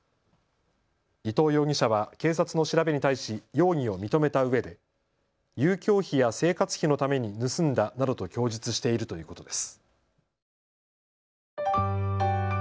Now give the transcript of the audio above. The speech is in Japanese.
伊藤容疑者は警察の調べに対し容疑を認めたうえで遊興費や生活費のために盗んだなどと供述しているということです。